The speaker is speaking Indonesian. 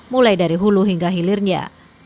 mulai dari hulu hingga hilirnya